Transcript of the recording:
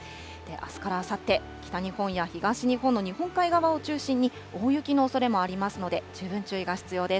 あすからあさって、北日本や東日本の日本海側を中心に、大雪のおそれもありますので、十分注意が必要です。